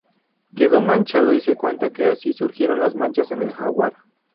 Quedó manchado y se cuenta que así surgieron las manchas en el jaguar.